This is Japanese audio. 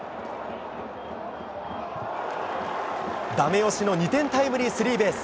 ダメ押しの２点タイムリースリーベース。